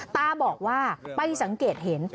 ตาบอกว่าไปสังเกตเห็น